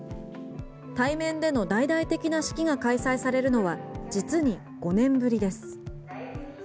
対面での大々的な式が開催されるのは実に５年ぶりです。